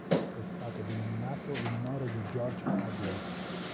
È stato denominato in onore di George Hadley.